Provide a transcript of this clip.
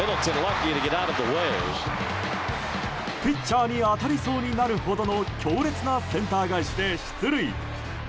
ピッチャーに当たりそうになるほどの強烈なセンター返しで出塁。